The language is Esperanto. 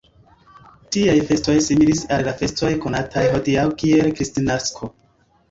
Tiaj festoj similis al la festoj konataj hodiaŭ kiel Kristnasko.